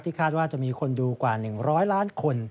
คาดว่าจะมีคนดูกว่า๑๐๐ล้านคน